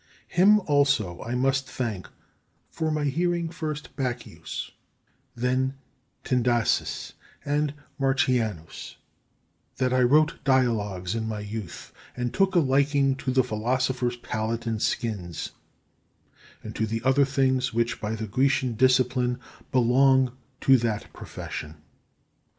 Him also I must thank for my hearing first Bacchius, then Tandasis and Marcianus; that I wrote dialogues in my youth, and took a liking to the philosopher's pallet and skins, and to the other things which, by the Grecian discipline, belong to that profession.